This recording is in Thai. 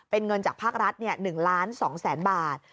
เป็นเงินจากภาครัฐ๑๒๐๐๐๐๐บาท